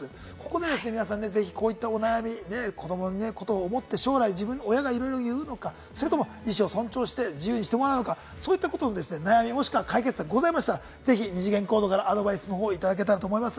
ぜひ皆さん、こういったお悩み、子どものことを思って将来自分、親がいろいろ言うのが、意思を尊重して自由にしてもらうのかそういったことを悩み解決策ございましたら、二次元コードからアドバイスいただければと思います。